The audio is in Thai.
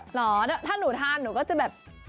เหรอถ้าหนูทานหนูก็จะแบบ